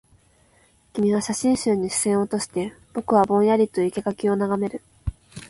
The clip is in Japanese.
君は写真集に視線を落として、僕はぼんやりと生垣を眺める